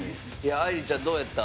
愛莉ちゃんどうやった？